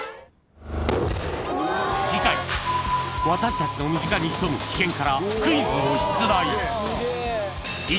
［私たちの身近に潜む危険からクイズを出題］